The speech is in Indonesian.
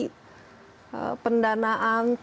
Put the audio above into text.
ini strategi pendanaan